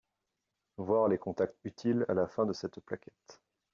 Voir les contacts utiles à la fin de cette plaquette.